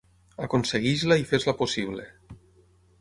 Aconsegueix-la i fes-la possible!